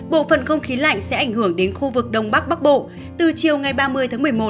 bộ phận không khí lạnh sẽ ảnh hưởng đến khu vực đông bắc bắc bộ từ chiều ngày ba mươi tháng một mươi một